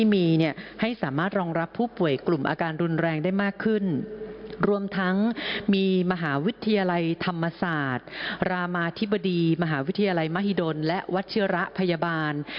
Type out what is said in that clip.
มหาวิทยาลัยมหิดลและวัตเชื้อระพยาบาล